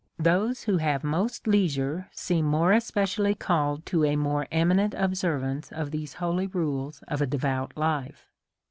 Those who have most leisure seem more especially called to a more eminent observance of these holy rules of a devout life.